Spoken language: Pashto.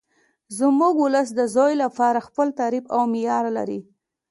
زموږ ولس د زوی لپاره خپل تعریف او معیار لري